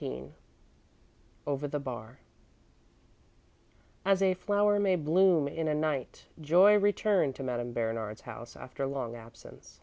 XIX OVER THE BAR As a flower may bloom in a night, joy returned to Madame Bernard's house after long absence.